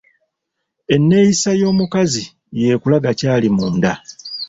Enneeyisa y’omukazi yeekulaga ky’ali munda.